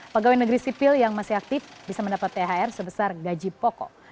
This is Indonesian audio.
pegawai negeri sipil yang masih aktif bisa mendapat thr sebesar gaji pokok